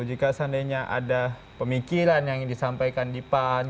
jika seandainya ada pemikiran yang disampaikan di pan